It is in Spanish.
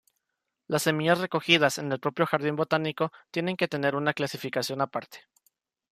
Las semillas recogidas en el propio jardín botánico tienen que tener una clasificación aparte.